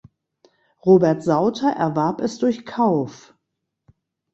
Robert Sauter erwarb es durch Kauf.